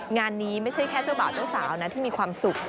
งานนี้ไม่ใช่แค่เจ้าบ่าวเจ้าสาวนะที่มีความสุข